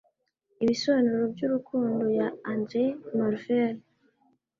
ibisobanuro by'urukundo ya andrew marvell